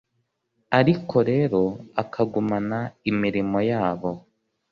ariko rero akagumana imirimo yabo,